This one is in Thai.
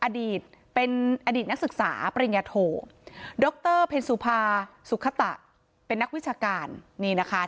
อดีตเป็นอดีตนักศึกษาปริญญาโทดรเพ็ญสุภาสุขตะเป็นนักวิชาการนี่นะคะ